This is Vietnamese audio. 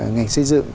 ngành xây dựng